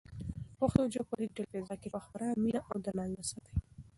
پښتو ژبه په ډیجیټل فضا کې په خورا مینه او درناوي وساتئ.